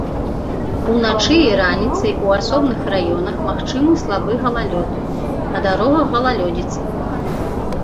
Уначы і раніцай у асобных раёнах магчымы слабы галалёд, на дарогах галалёдзіца.